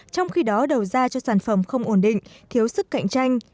trong khi đó đầu ra cho sản phẩm không ổn định thiếu sức cạnh tranh